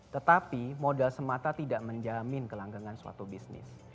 tetapi modal semata tidak menjamin kelanggangan suatu bisnis